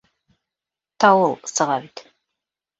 Тауыл сыға бит.